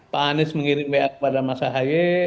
pak anies mengirim wa kepada mas ahaya